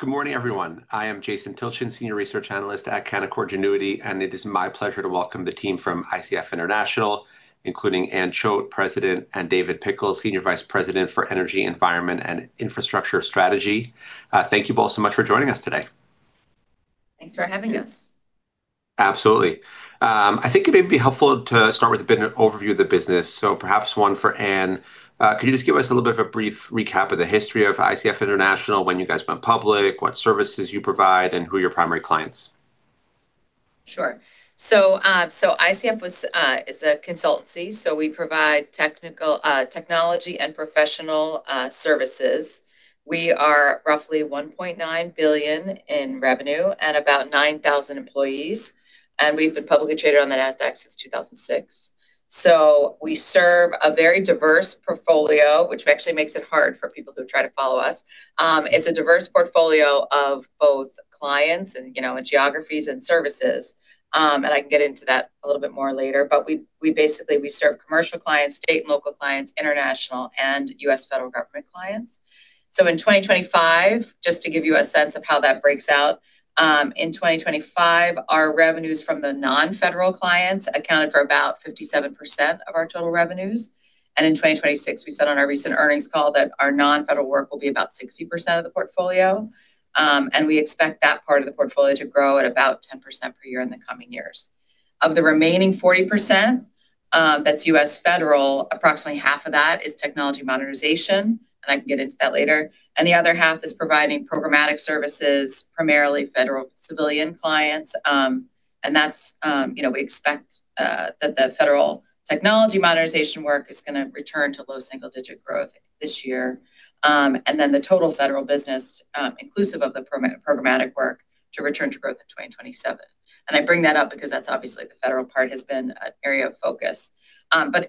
Good morning, everyone. I am Jason Tilchin, Senior Research Analyst at Canaccord Genuity, and it is my pleasure to welcome the team from ICF International, including Anne Choate, President, and Kyle Wiggins, Senior Vice President for Energy, Environment, and Infrastructure Strategy. Thank you both so much for joining us today. Thanks for having us. Absolutely. I think it may be helpful to start with a bit of overview of the business. Perhaps one for Anne. Could you just give us a little bit of a brief recap of the history of ICF International, when you guys went public, what services you provide, and who are your primary clients? Sure. ICF is a consultancy, so we provide technical, technology and professional services. We are roughly $1.9 billion in revenue and about 9,000 employees, and we've been publicly traded on the Nasdaq since 2006. We serve a very diverse portfolio, which actually makes it hard for people who try to follow us. It's a diverse portfolio of both clients and and geographies and services. I can get into that a little bit more later. We basically serve commercial clients, state and local clients, international and US federal government clients. In 2025, just to give you a sense of how that breaks out, in 2025, our revenues from the non-federal clients accounted for about 57% of our total revenues. In 2026, we said on our recent earnings call that our non-federal work will be about 60% of the portfolio. We expect that part of the portfolio to grow at about 10% per year in the coming years. Of the remaining 40%, that's U.S. federal, approximately half of that is technology modernization, and I can get into that later. The other half is providing programmatic services, primarily federal civilian clients. We expect that the federal technology modernization work is going to return to low single-digit growth this year. Then the total federal business, inclusive of the programmatic work to return to growth in 2027. I bring that up because that's obviously the federal part has been an area of focus.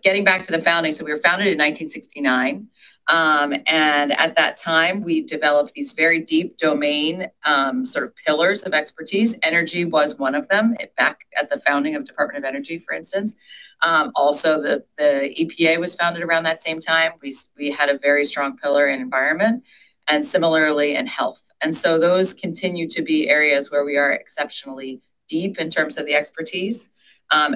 Getting back to the founding, we were founded in 1969. At that time, we developed these very deep domain sort of pillars of expertise. Energy was one of them back at the founding of Department of Energy, for instance. Also, the EPA was founded around that same time. We had a very strong pillar in environment and similarly in health. Those continue to be areas where we are exceptionally deep in terms of the expertise.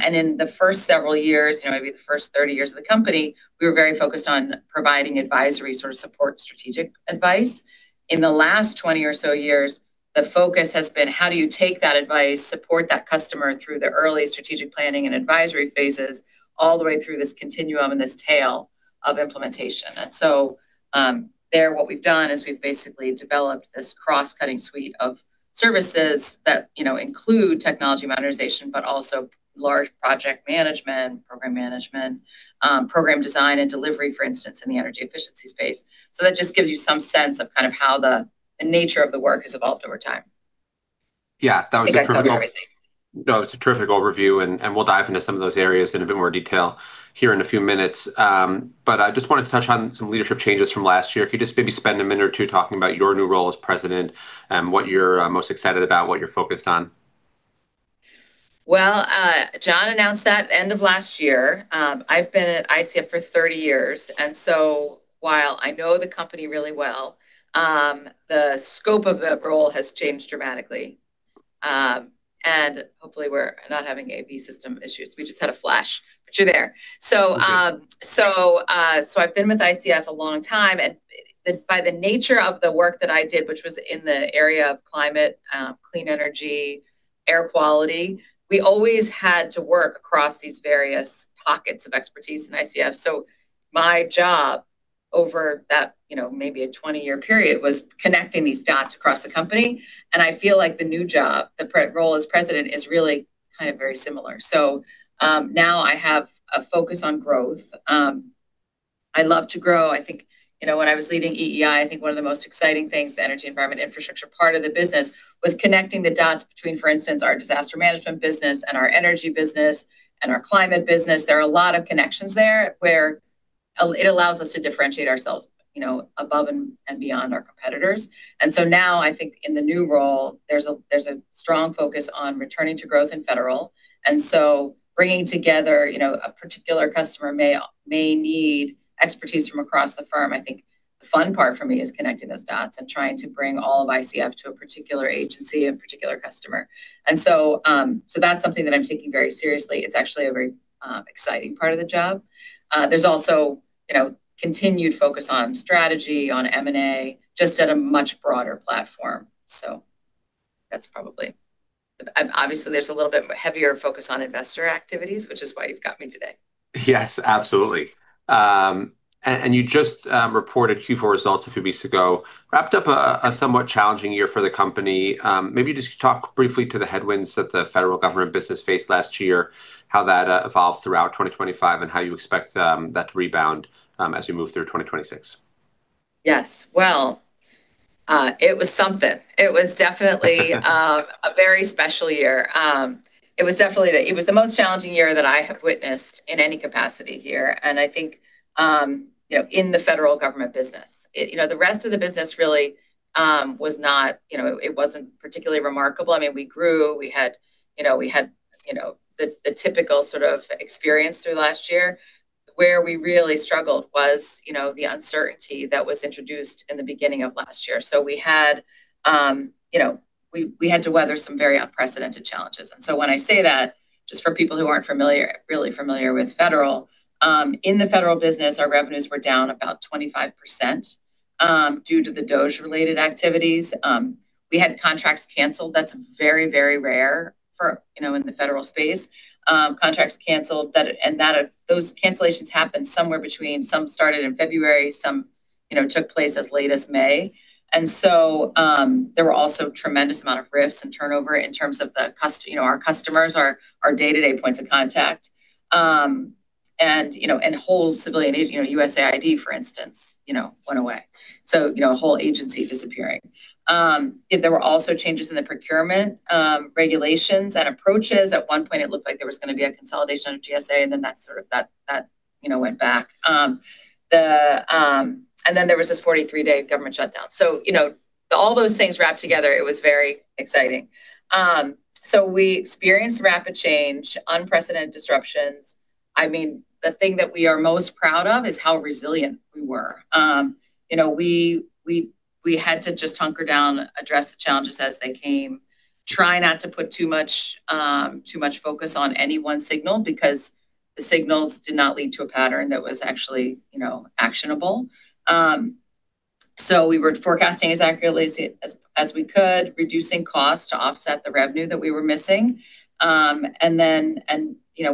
In the first several years maybe the first 30 years of the company, we were very focused on providing advisory sort of support, strategic advice. In the last 20 or so years, the focus has been how do you take that advice, support that customer through the early strategic planning and advisory Phases all the way through this continuum and this tail of implementation. T Here what we've done is we've basically developed this cross-cutting suite of services that include technology monetization, but also large project management, program management, program design and delivery, for instance, in the energy efficiency space. that just gives you some sense of kind of how the nature of the work has evolved over time. Yeah. That was a terrific. I think I covered everything. No, it's a terrific overview, and we'll dive into some of those areas in a bit more detail here in a few minutes. I just wanted to touch on some leadership changes from last year. If you could just maybe spend a minute or two talking about your new role as president, what you're most excited about, what you're focused on. Well, John announced that end of last year. I've been at ICF for 30 years, and so while I know the company really well, the scope of the role has changed dramatically. Hopefully we're not having A/V system issues. We just had a flash, but you're there. Mm-hmm I've been with ICF a long time. By the nature of the work that I did, which was in the area of climate, clean energy, air quality, we always had to work across these various pockets of expertise in ICF. My job over that maybe a 20-year period was connecting these dots across the company, and I feel like the new job, the role as president is really kind of very similar. Now I have a focus on growth. I love to grow. I think when I was leading EEI, I think one of the most exciting things, the energy environment infrastructure part of the business, was connecting the dots between, for instance, our disaster management business and our energy business and our climate business. There are a lot of connections there where it allows us to differentiate ourselves above and beyond our competitors. Now I think in the new role, there's a strong focus on returning to growth in federal. Bringing together a particular customer may need expertise from across the firm. I think the fun part for me is connecting those dots and trying to bring all of ICF to a particular agency, a particular customer. That's something that I'm taking very seriously. It's actually a very exciting part of the job. There's also continued focus on strategy, on M&A, just at a much broader platform. Obviously there's a little bit heavier focus on investor activities, which is why you've got me today. Yes, absolutely. You just reported Q4 results a few weeks ago. Wrapped up a somewhat challenging year for the company. Maybe just talk briefly to the headwinds that the federal government business faced last year, how that evolved throughout 2025, and how you expect that to rebound as we move through 2026. Yes. Well, it was something. It was definitely a very special year. It was the most challenging year that I have witnessed in any capacity here, and I think in the federal government business. The rest of the business really was not, you know. It wasn't particularly remarkable. I mean, we grew. We had the typical sort of experience through last year. Where we really struggled was the uncertainty that was introduced in the beginning of last year. We had to weather some very unprecedented challenges. When I say that, just for people who aren't familiar, really familiar with federal, in the federal business, our revenues were down about 25%, due to the DOJ-related activities. We had contracts canceled. That's very, very rare for in the federal space, contracts canceled that. Those cancellations happened somewhere between some started in February, some took place as late as May. There were also a tremendous amount of risks and turnover in terms of our customers, our day-to-day points of contact. And you know and whole civilian you know USAID, for instance went away.. A whole agency disappearing. There were also changes in the procurement regulations and approaches. At one point it looked like there was going to be a consolidation of GSA, and then that went back. And then there was this 43-day government shutdown. All those things wrapped together, it was very exciting. We experienced rapid change, unprecedented disruptions. I mean, the thing that we are most proud of is how resilient we were. We had to just hunker down, address the challenges as they came, try not to put too much focus on any one signal because the signals did not lead to a pattern that was actually actionable. We were forecasting as accurately as we could, reducing costs to offset the revenue that we were missing.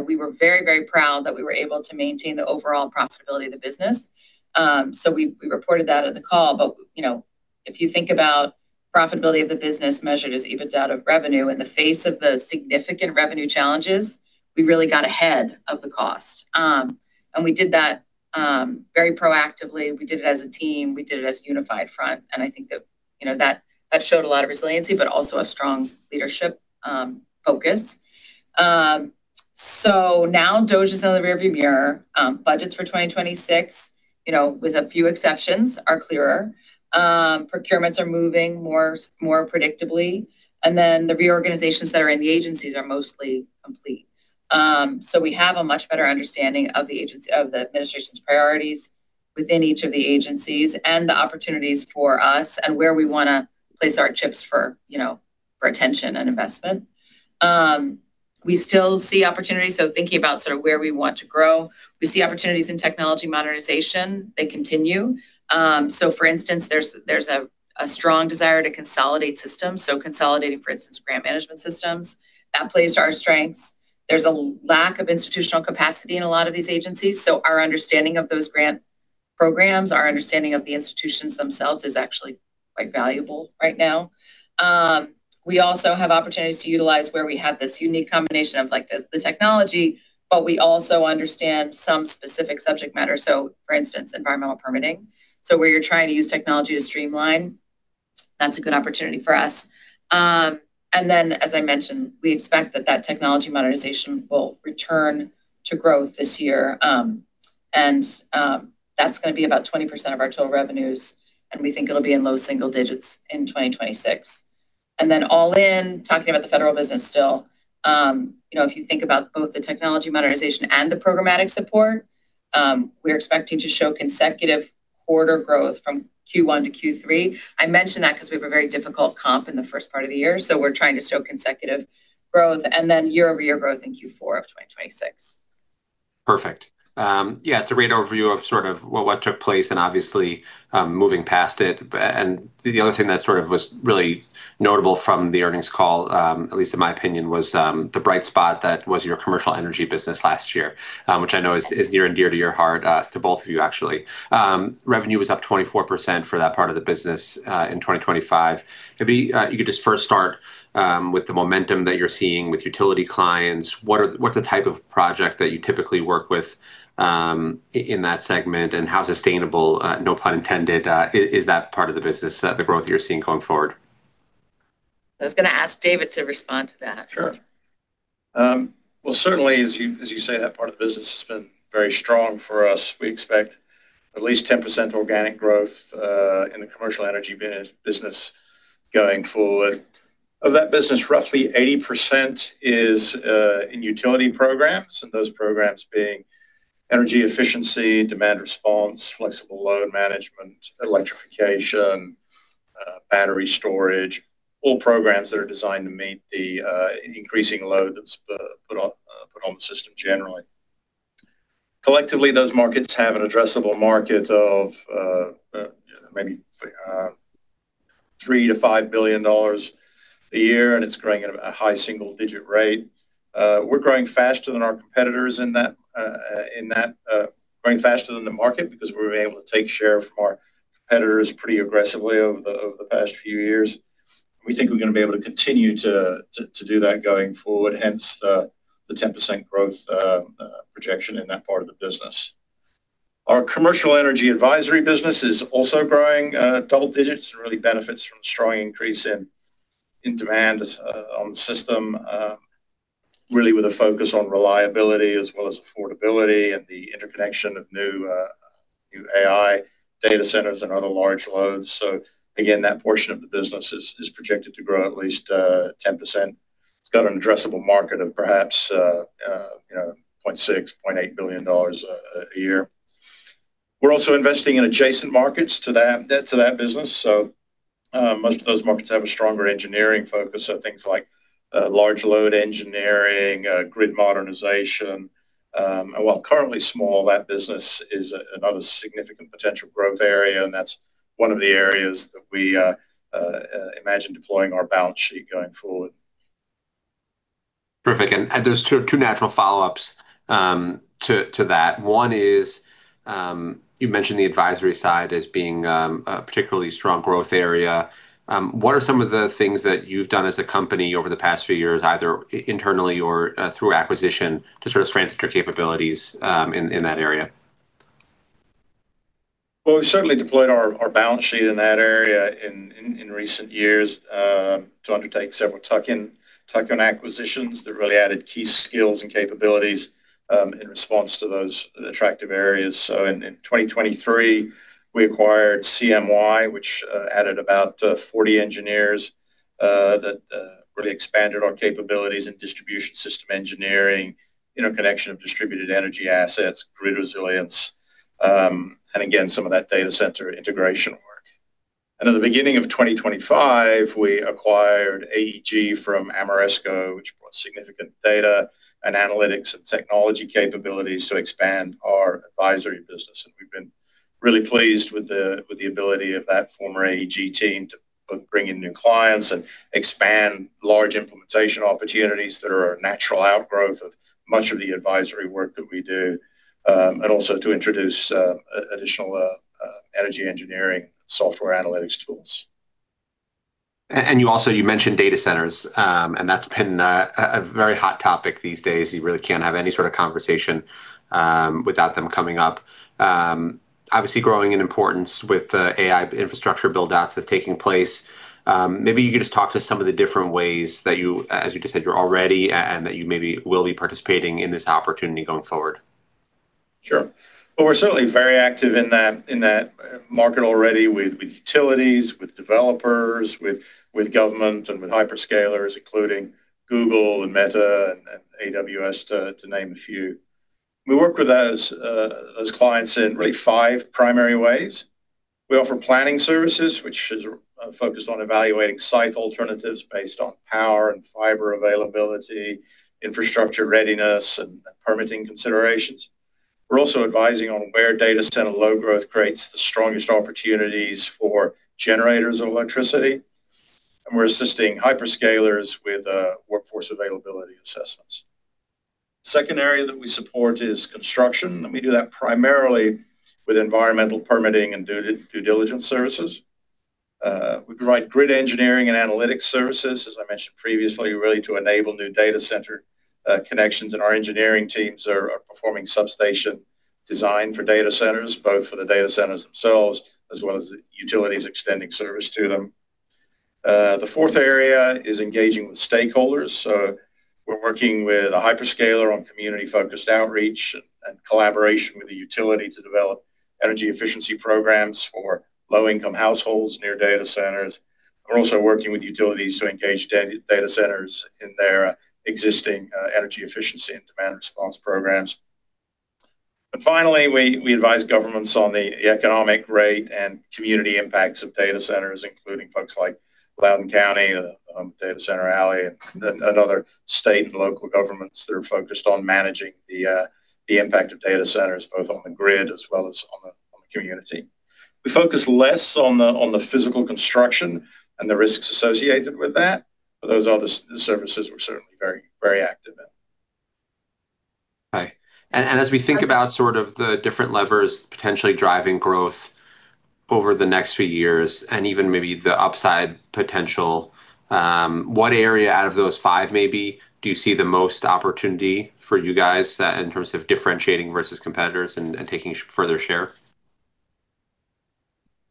We were very proud that we were able to maintain the overall profitability of the business. We reported that at the call, if you think about profitability of the business measured as EBITDA of revenue in the face of the significant revenue challenges, we really got ahead of the cost. We did that very proactively. We did it as a team. We did it as a unified front, and I think that showed a lot of resiliency, but also a strong leadership focus. Now DOGE is in the rearview mirror. Budgets for 2026 with a few exceptions, are clearer. Procurements are moving more predictably, and the reorganizations that are in the agencies are mostly complete. We have a much better understanding of the agency, of the administration's priorities within each of the agencies and the opportunities for us and where we want to place our chips for for attention and investment. We still see opportunities, so thinking about sort of where we want to grow, we see opportunities in technology modernization. They continue. For instance, there's a strong desire to consolidate systems. Consolidating, for instance, grant management systems, that plays to our strengths. There's a lack of institutional capacity in a lot of these agencies, so our understanding of those grant programs, our understanding of the institutions themselves is actually quite valuable right now. We also have opportunities to utilize where we have this unique combination of, like, the technology, but we also understand some specific subject matter, so for instance, environmental permitting. Where you're trying to use technology to streamline, that's a good opportunity for us. As I mentioned, we expect that technology modernization will return to growth this year. That's going to be about 20% of our total revenues, and we think it'll be in low single digits in 2026. All in, talking about the federal business still if you think about both the technology modernization and the programmatic support, we're expecting to show consecutive quarter growth from Q1 to Q3. I mention that 'cause we have a very difficult comp in the first part of the year, so we're trying to show consecutive growth and then year-over-year growth in Q4 of 2026. Perfect. Yeah, it's a great overview of sort of what took place and obviously, moving past it. And the other thing that sort of was really notable from the earnings call, at least in my opinion, was the bright spot that was your commercial energy business last year, which I know is near and dear to your heart, to both of you actually. Revenue was up 24% for that part of the business, in 2025. Maybe you could just first start with the momentum that you're seeing with utility clients. What's the type of project that you typically work with, in that segment, and how sustainable, no pun intended, is that part of the business, the growth you're seeing going forward? I was going to ask David to respond to that. Sure. Well, certainly, as you say, that part of the business has been very strong for us. We expect at least 10% organic growth in the commercial energy business going forward. Of that business, roughly 80% is in utility programs, and those programs being energy efficiency, demand response, flexible load management, electrification, battery storage, all programs that are designed to meet the increasing load that's put on the system generally. Collectively, those markets have an addressable market of maybe $3 to 5 billion a year, and it's growing at a high single-digit % rate. We're growing faster than our competitors in that, growing faster than the market because we've been able to take share from our competitors pretty aggressively over the past few years. We think we're going to be able to continue to do that going forward, hence the 10% growth projection in that part of the business. Our commercial energy advisory business is also growing double digits and really benefits from the strong increase in demand on the system, really with a focus on reliability as well as affordability and the interconnection of new AI data centers and other large loads. Again, that portion of the business is projected to grow at least 10%. It's got an addressable market of perhaps $0.6-$0.8 billion a year. We're also investing in adjacent markets to that business. Most of those markets have a stronger engineering focus on things like large load engineering, grid modernization. While currently small, that business is another significant potential growth area, and that's one of the areas that we imagine deploying our balance sheet going forward. Perfect. There's two natural follow-ups to that. One is, you mentioned the advisory side as being a particularly strong growth area. What are some of the things that you've done as a company over the past few years, either internally or through acquisition to sort of strengthen your capabilities in that area? We certainly deployed our balance sheet in that area in recent years to undertake several tuck-in acquisitions that really added key skills and capabilities in response to those attractive areas. In 2023, we acquired CMY, which added about 40 engineers that really expanded our capabilities in distribution system engineering, interconnection of distributed energy assets, grid resilience, and again, some of that data center integration work. At the beginning of 2025, we acquired AEG from Ameresco, which brought significant data and analytics and technology capabilities to expand our advisory business. We've been really pleased with the ability of that former AEG team to both bring in new clients and expand large implementation opportunities that are a natural outgrowth of much of the advisory work that we do, and also to introduce additional energy engineering software analytics tools. You also, you mentioned data centers, and that's been a very hot topic these days. You really can't have any sort of conversation without them coming up. Obviously growing in importance with the AI infrastructure build-outs that's taking place. Maybe you could just talk to some of the different ways that you, as you just said, you're already and that you maybe will be participating in this opportunity going forward. Sure. Well, we're certainly very active in that market already with utilities, with developers, with government, and with hyperscalers, including Google and Meta and AWS, to name a few. We work with those clients in really five primary ways. We offer planning services, which is focused on evaluating site alternatives based on power and fiber availability, infrastructure readiness, and permitting considerations. We're also advising on where data center load growth creates the strongest opportunities for generators of electricity, and we're assisting hyperscalers with workforce availability assessments. Second area that we support is construction, and we do that primarily with environmental permitting and due diligence services. We provide grid engineering and analytics services, as I mentioned previously, really to enable new data center connections. Our engineering teams are performing substation design for data centers, both for the data centers themselves as well as the utilities extending service to them. The fourth area is engaging with stakeholders. We're working with a hyperscaler on community-focused outreach and collaboration with the utility to develop energy efficiency programs for low-income households near data centers. We're also working with utilities to engage data centers in their existing energy efficiency and demand response programs. Finally, we advise governments on the economic rate and community impacts of data centers, including folks like Loudoun County, Data Center Alley, and other state and local governments that are focused on managing the impact of data centers both on the grid as well as on the community. We focus less on the physical construction and the risks associated with that, but those are the services we're certainly very active in. Right. As we think about sort of the different levers potentially driving growth over the next few years and even maybe the upside potential, what area out of those five maybe do you see the most opportunity for you guys, in terms of differentiating versus competitors and taking further share?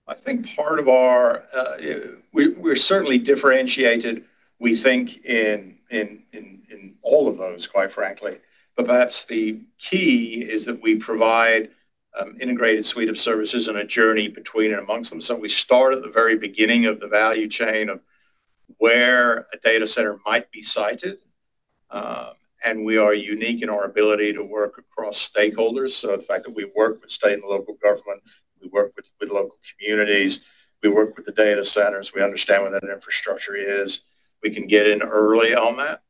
I think part of our we're certainly differentiated, we think, in all of those, quite frankly. Perhaps the key is that we provide integrated suite of services and a journey between and amongst them. We start at the very beginning of the value chain of where a data center might be sited. We are unique in our ability to work across stakeholders. The fact that we work with state and local government, we work with local communities, we work with the data centers, we understand where that infrastructure is. We can get in early on that.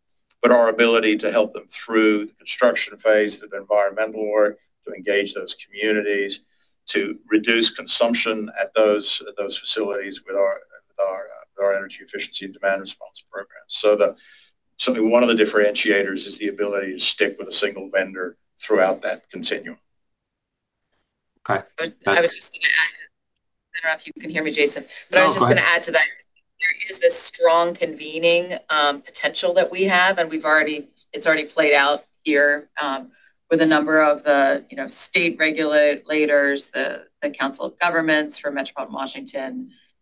Our ability to help them through the construction Phase, through the environmental work, to engage those communities, to reduce consumption at those facilities with our energy efficiency and demand response programs. Certainly one of the differentiators is the ability to stick with a single vendor throughout that continuum. All right. I was just going to add. I don't know if you can hear me, Jason. Oh, go ahead. I was just going to add to that. There is this strong convening potential that we have, and we've already it's already played out here with a number of the you know state regulators, the Metropolitan Washington Council of Governments,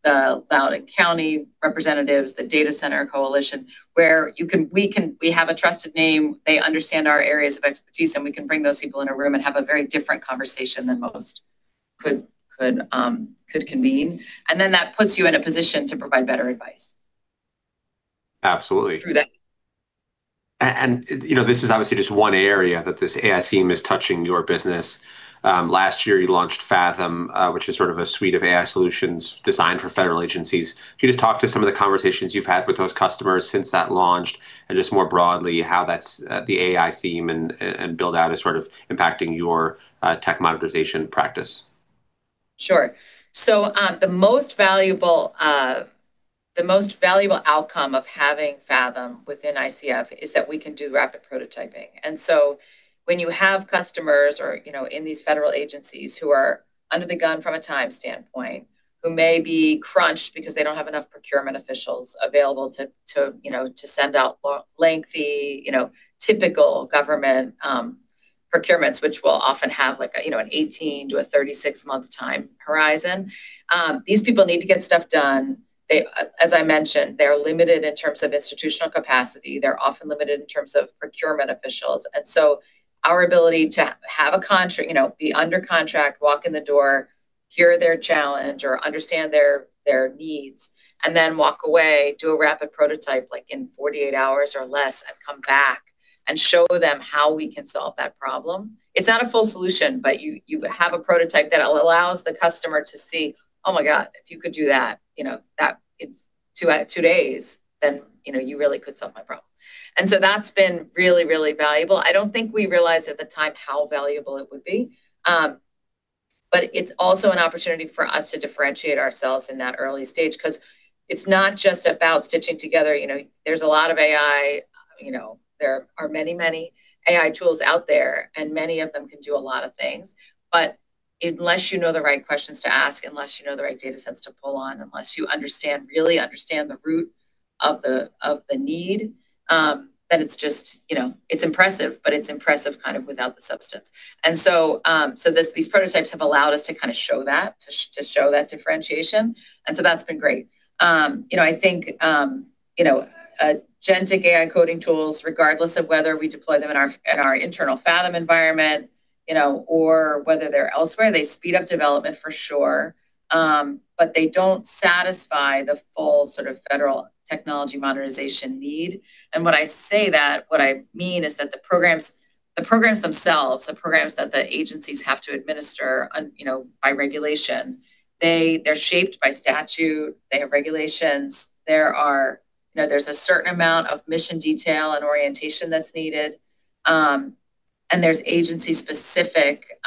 the Loudoun County representatives, the Data Center Coalition, where we have a trusted name, they understand our areas of expertise, and we can bring those people in a room and have a very different conversation than most. Could convene. Then that puts you in a position to provide better advice. Absolutely. Through that. this is obviously just one area that this AI theme is touching your business. Last year you launched Fathom, which is sort of a suite of AI solutions designed for federal agencies. Can you just talk to some of the conversations you've had with those customers since that launched, and just more broadly, how that's the AI theme and build out is sort of impacting your tech modernization practice? Sure. The most valuable outcome of having Fathom within ICF is that we can do rapid prototyping. When you have customers or in these federal agencies who are under the gun from a time standpoint, who may be crunched because they don't have enough procurement officials available to to send out lengthy typical government procurements, which will often have like an 18- to 36-month time horizon, these people need to get stuff done. As I mentioned, they're limited in terms of institutional capacity, they're often limited in terms of procurement officials. Our ability to have a contract be under contract, walk in the door, hear their challenge, or understand their needs, and then walk away, do a rapid prototype like in 48 hours or less, and come back and show them how we can solve that problem, it's not a full solution, but you have a prototype that allows the customer to see, "My God, if you could do that that in two days, then you really could solve my problem." That's been really, really valuable. I don't think we realized at the time how valuable it would be. But it's also an opportunity for us to differentiate ourselves in that early stage 'cause it's not just about stitching together. There's a lot of AI. There are many, many AI tools out there, and many of them can do a lot of things. Unless you know the right questions to ask, unless you know the right datasets to pull on, unless you understand, really understand the root of the need it's impressive, but it's impressive kind of without the substance. These prototypes have allowed us to kinda show that, to show that differentiation, and so that's been great. I think agentic AI coding tools, regardless of whether we deploy them in our internal Fathom environment or whether they're elsewhere, they speed up development for sure. They don't satisfy the full sort of federal technology modernization need. When I say that, what I mean is that the programs themselves that the agencies have to administer by regulation, they're shaped by statute, they have regulations. There are. There's a certain amount of mission detail and orientation that's needed, and there's agency-specific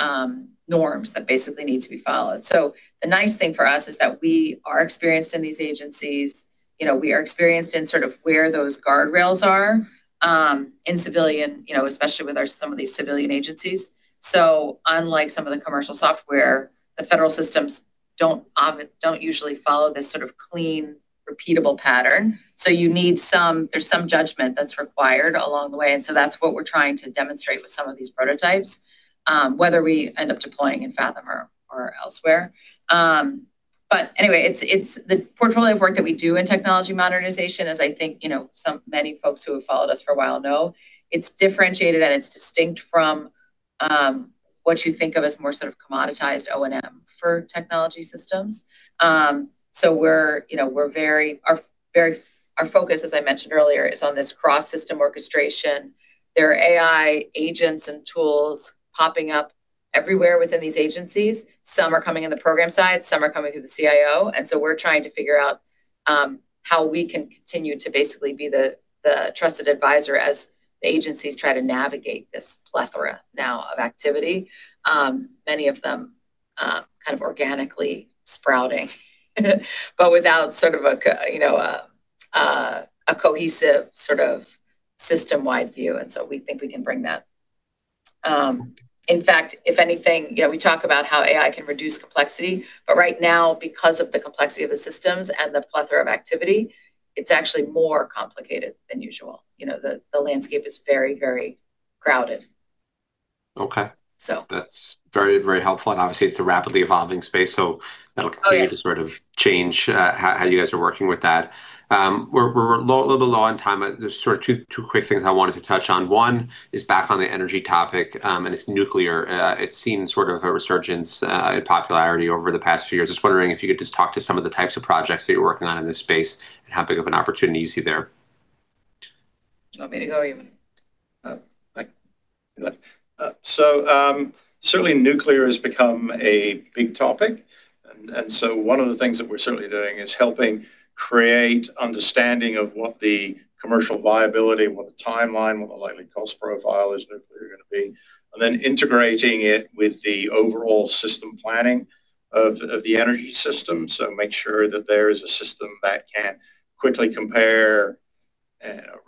norms that basically need to be followed. The nice thing for us is that we are experienced in these agencies. We are experienced in sort of where those guardrails are, in civilian especially with some of these civilian agencies. Unlike some of the commercial software, the federal systems don't usually follow this sort of clean, repeatable pattern. You need some judgment that's required along the way, and that's what we're trying to demonstrate with some of these prototypes, whether we end up deploying in Fathom or elsewhere. The portfolio of work that we do in technology modernization is, I think many folks who have followed us for a while know it's differentiated and it's distinct from what you think of as more sort of commoditized O&M for technology systems. Our focus, as I mentioned earlier, is on this cross-system orchestration. There are AI agents and tools popping up everywhere within these agencies. Some are coming in the program side, some are coming through the CIO, and so we're trying to figure out how we can continue to basically be the trusted advisor as the agencies try to navigate this plethora now of activity. Many of them kind of organically sprouting, but without sort of a you know a cohesive sort of system-wide view, and so we think we can bring that. In fact, if anything we talk about how AI can reduce complexity, but right now because of the complexity of the systems and the plethora of activity, it's actually more complicated than usual. The landscape is very, very crowded. Okay. So. That's very helpful, and obviously it's a rapidly evolving space, so that'll. Yeah. Continue to sort of change how you guys are working with that. We're a little bit low on time. There's sort of two quick things I wanted to touch on. One is back on the energy topic, and it's nuclear. It's seen sort of a resurgence in popularity over the past few years. Just wondering if you could just talk to some of the types of projects that you're working on in this space and how big of an opportunity you see there. Do you want me to go or you? Certainly nuclear has become a big topic. One of the things that we're certainly doing is helping create understanding of what the commercial viability, what the timeline, what the likely cost profile is nuclear going to be, and then integrating it with the overall system planning of the energy system. Make sure that there is a system that can quickly compare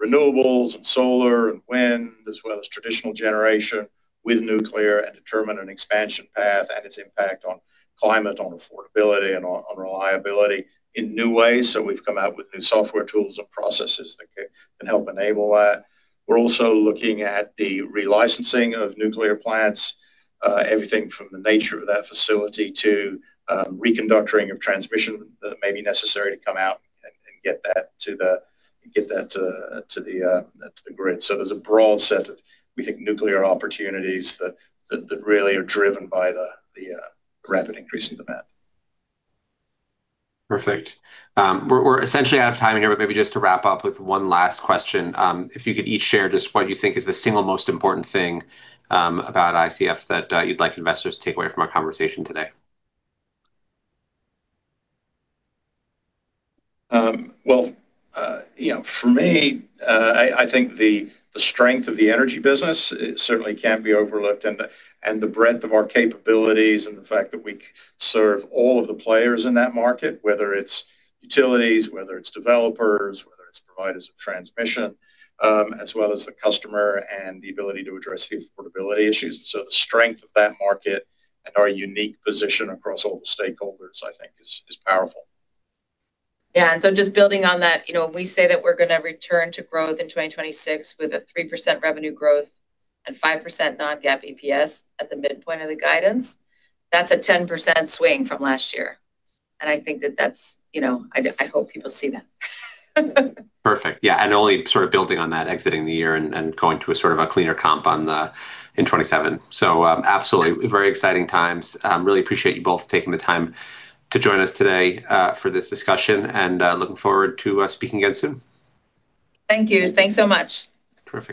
renewables and solar and wind, as well as traditional generation with nuclear and determine an expansion path and its impact on climate, on affordability, and on reliability in new ways. We've come out with new software tools and processes that can help enable that. We're also looking at the relicensing of nuclear plants, everything from the nature of that facility to reconductoring of transmission that may be necessary to come out and get that to the grid. There's a broad set of, we think, nuclear opportunities that really are driven by the rapid increase in demand. Perfect. We're essentially out of time here, but maybe just to wrap up with one last question. If you could each share just what you think is the single most important thing about ICF that you'd like investors to take away from our conversation today. Well for me, I think the strength of the energy business certainly can't be overlooked, and the breadth of our capabilities and the fact that we serve all of the players in that market, whether it's utilities, whether it's developers, whether it's providers of transmission, as well as the customer and the ability to address the affordability issues. The strength of that market and our unique position across all the stakeholders, I think is powerful. Yeah. Just building on that we say that we're going to return to growth in 2026 with a 3% revenue growth and 5% non-GAAP EPS at the midpoint of the guidance. That's a 10% swing from last year, and I think that that's, you know. I hope people see that. Perfect. Only sort of building on that, exiting the year and going to a sort of a cleaner comp on the in 2027. Absolutely very exciting times. Really appreciate you both taking the time to join us today for this discussion and looking forward to speaking again soon. Thank you. Thanks so much. Perfect